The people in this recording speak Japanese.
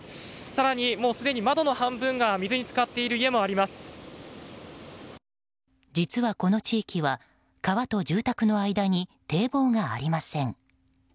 更に、すでに窓の半分が実はこの地域は川と住宅の間に堤防がありません。